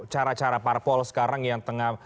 cara cara parpol sekarang yang tengah